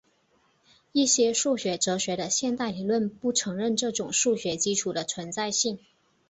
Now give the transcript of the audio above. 一些数学哲学的现代理论不承认这种数学基础的存在性。